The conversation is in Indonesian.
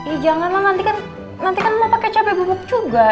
ih jangan lah nanti kan mau pakai cabai bubuk juga